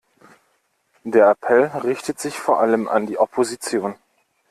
Der Appell richtet sich vor allem an die Opposition.